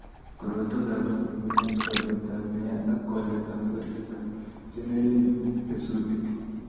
korotwekab nyung'unyek, olyet neya ak waletab koristo chenyeren kesutik